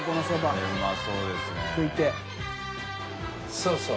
そうそう。